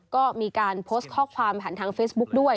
ก็มีการโพสต์ข้อความผ่านทางเฟซบุ๊คด้วย